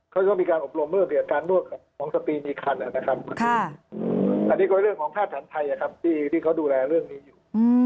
เขาก็มีการอบรมเรื่องการนวดของสปีมีคันนะครับอันนี้ก็เป็นเรื่องของภาพฐานไทยนะครับที่เขาดูแลเรื่องนี้อยู่